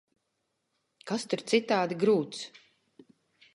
Kas tur citādi grūts?